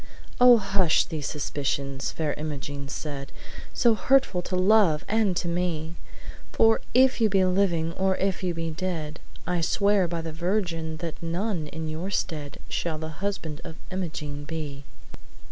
'Oh, hush these suspicions!' Fair Imogene said, "So hurtful to love and to me! For if you be living, or if you be dead, I swear by the Virgin that none in your stead Shall the husband of Imogene be!'